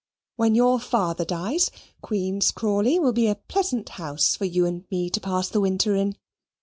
When your father dies, Queen's Crawley will be a pleasant house for you and me to pass the winter in.